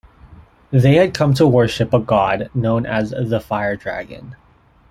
They had come to worship a god known as The Fire Dragon.